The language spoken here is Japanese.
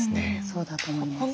そうだと思います。